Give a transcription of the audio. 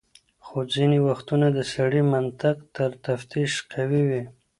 خو ځینې وختونه د سړي منطق تر تفتيش قوي وي.